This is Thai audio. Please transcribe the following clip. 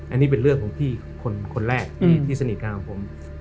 อันนี้เป็นเรื่องของพี่คนแรกที่สนิทกันของผม